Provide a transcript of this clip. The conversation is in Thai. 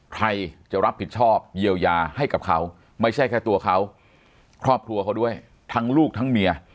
ใครจะรับผิดชอบเยียวยาให้กับเขาไม่ใช่แค่ตัวเขาครอบครัวเขาด้วยทั้งลูกทั้งเมีย